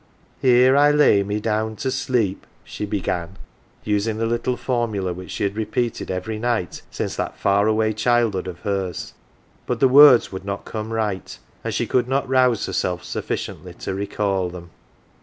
" Here I lay me down to sleep," she began, using the little formula which she had repeated every night since that far away childhood of hers. But the words would not come right, and she could not rouse herself suffi ciently to recall them.